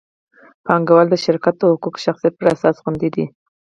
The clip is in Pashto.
پانګهوال د شرکت د حقوقي شخصیت پر اساس خوندي دي.